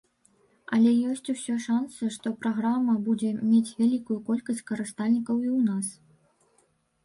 Але ёсць усе шанцы, што праграма будзе мець вялікую колькасць карыстальнікаў і ў нас.